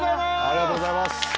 ありがとうございます。